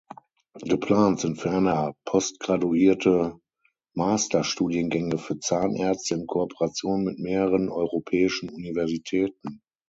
Geplant sind ferner postgraduierte Masterstudiengänge für Zahnärzte in Kooperation mit mehreren europäischen Universitäten.